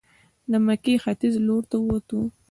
د مکې ختیځ لورته ووتو.